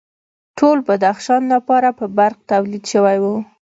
ټول بدخشان لپاره به برق تولید شوی و